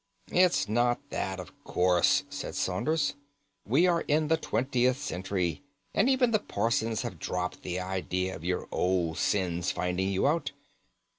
"It's not that, of course," said Saunders. "We are in the twentieth century, and even the parsons have dropped the idea of your old sins finding you out.